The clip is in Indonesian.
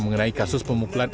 mengenai kasus pemukulan